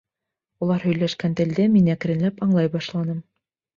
Улар һөйләшкән телде мин әкренләп аңлай башланым.